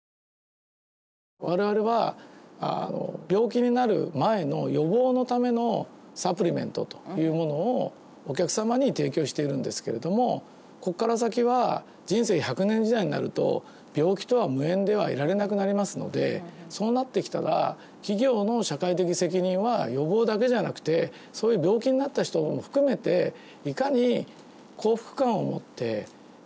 我々は病気になる前の予防のためのサプリメントというものをお客様に提供しているんですけれどもここから先は人生１００年時代になると病気とは無縁ではいられなくなりますのでそうなってきたら企業の社会的責任は予防だけじゃなくてそういう病気になった人も含めていかに幸福感を持って生きていくか。